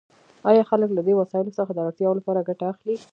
آیا خلک له دې وسایلو څخه د اړتیاوو لپاره ګټه اخلي؟